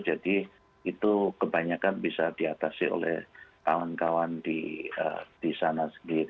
jadi itu kebanyakan bisa diatasi oleh kawan kawan di sana sendiri